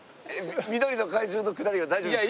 緑の怪獣のくだりは大丈夫ですか？